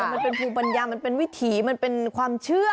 มันเป็นภูมิปัญญามันเป็นวิถีมันเป็นความเชื่อ